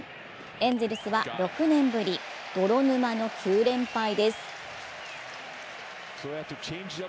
エンゼルスは、６年ぶり泥沼の９連敗です。